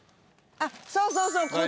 あっそうそうそう。